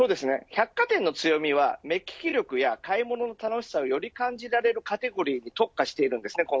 百貨店の強みは目利き力や買い物の楽しさをより感じられるカテゴリに特化しています。